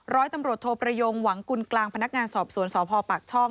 ร้อยตำรวจโทประยงหวังกุลกลางพนักงานสอบสวนสพปากช่อง